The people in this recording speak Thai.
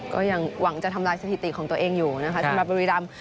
ก็ยังหวังจะทำลายสถิติของตัวเองอยู่นะคะสำหรับบุรีรำ